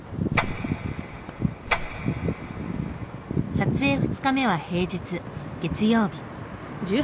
撮影２日目は平日月曜日。